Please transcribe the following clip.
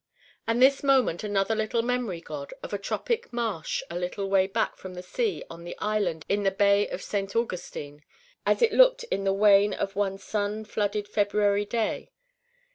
And this moment another little memory, God, of a tropic marsh a little way back from the sea on the island in the bay at St. Augustine, as it looked in the wane of one sun flooded February day.